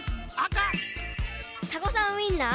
たこさんウインナー。